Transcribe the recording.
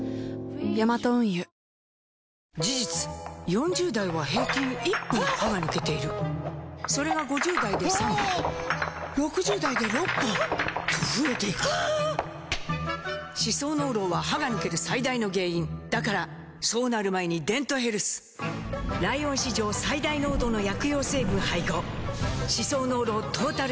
ヤマト運輸事実４０代は平均１本歯が抜けているそれが５０代で３本６０代で６本と増えていく歯槽膿漏は歯が抜ける最大の原因だからそうなる前に「デントヘルス」ライオン史上最大濃度の薬用成分配合歯槽膿漏トータルケア！